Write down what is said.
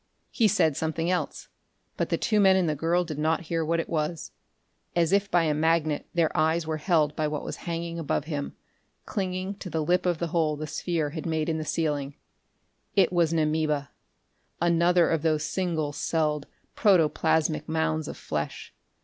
He said something else, but the two men and the girl did not hear what it was. As if by a magnet their eyes were held by what was hanging above him, clinging to the lip of the hole the sphere had made in the ceiling. It was an amoeba, another of those single celled, protoplasmic mounds of flesh.